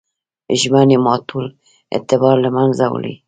ژمنې ماتول اعتبار له منځه وړي.